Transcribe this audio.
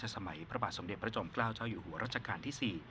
สัมเด็จประจ่อมกล้าวเจ้าอยู่หัวรัชกาลที่๔